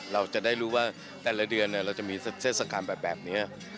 เราจะได้รู้ว่าแต่ละเดือนเราจะมีเทศกาลแบบนี้